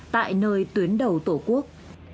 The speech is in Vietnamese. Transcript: tại nơi tuyến đầu tổ quốc